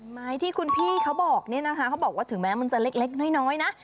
ไม้ที่คุณพี่เขาบอกเนี่ยนะคะเขาบอกว่าถึงแม้มันจะเล็กน้อยนะ